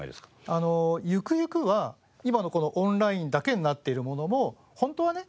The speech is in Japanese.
あのゆくゆくは今のこのオンラインだけになっているものも本当はね